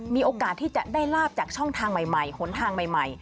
มีโอกาสที่จะได้ลาบจากช่องทางใหม่หนทางใหม่